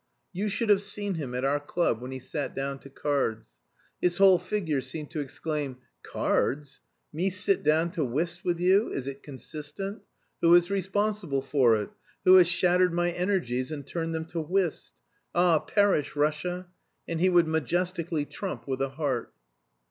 You should have seen him at our club when he sat down to cards. His whole figure seemed to exclaim "Cards! Me sit down to whist with you! Is it consistent? Who is responsible for it? Who has shattered my energies and turned them to whist? Ah, perish, Russia!" and he would majestically trump with a heart.